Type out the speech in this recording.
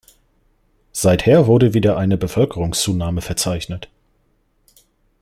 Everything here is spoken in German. Seither wurde wieder eine Bevölkerungszunahme verzeichnet.